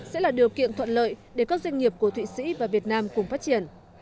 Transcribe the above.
sẽ là điều kiện thuận lợi để các doanh nghiệp của thụy sĩ và việt nam cùng phát triển